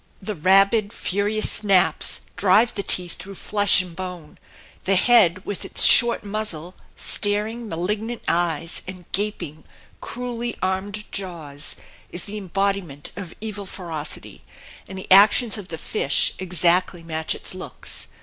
The rabid, furious snaps drive the teeth through flesh and bone. The head with its short muzzle, staring malignant eyes, and gaping, cruelly armed jaws, is the embodiment of evil ferocity; and the actions of the fish exactly match its looks.